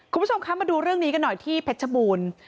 คุณผู้ชมคะมาดูเรื่องนี้กันหน่อยที่เพชรบูรณ์